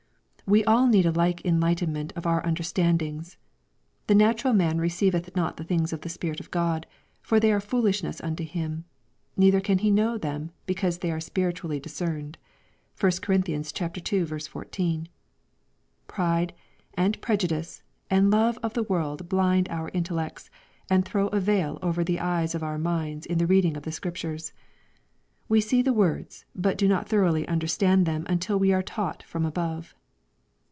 We all need a like enlightenment of our understand ings. " The natural man receiveth not the things of the Spirit of Grod ; for they are foolishness unto him ; neither can he know them, because they are spiritually dis cerned." (1 Cor. ii. 14) Pride, and prejudice, and love of the world blind our intellects, and throw a veil over the eyes of our minds in the reading of the Scriptures. We see the words, but do not thoroughly understand them until we are taught from above.